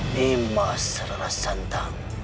nima serah santang